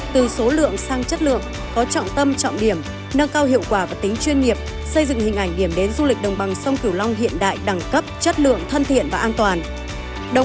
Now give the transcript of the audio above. từ số lượng sang chất lượng có trọng tâm trọng điểm nâng cao hiệu quả và tính chuyên nghiệp xây dựng hình ảnh điểm đến du lịch đồng bằng sông kiều long hiện đại đẳng cấp chất lượng thân thiện và an toàn